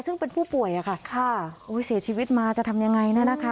ซึ่งเป็นผู้ป่วยอะค่ะเสียชีวิตมาจะทำยังไงน่ะนะคะ